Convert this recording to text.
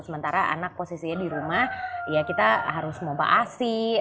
sementara anak posisinya di rumah ya kita harus moba asi